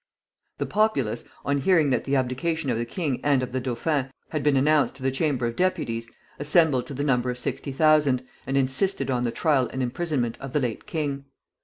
The populace, on hearing that the abdication of the king and of the dauphin had been announced to the Chamber of Deputies, assembled to the number of sixty thousand, and insisted on the trial and imprisonment of the late king.